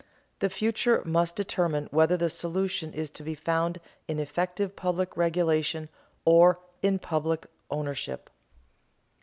The future must determine whether the solution is to be found in effective public regulation or in public ownership.